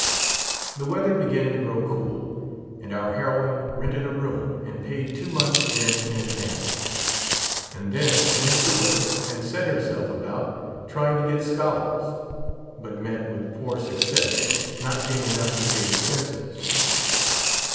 The weather began to grow cool, and our heroine rented a room and paid two months' rent in ad vance ; and then went to work and set herself* about try ing to get scholars, but met with poor success, not getting enough to pay expenses.